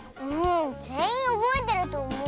ぜんいんおぼえてるとおもう。